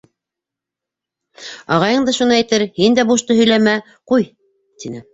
Ағайың да шуны әйтер, һин дә бушты һөйләмә, ҡуй, — тине.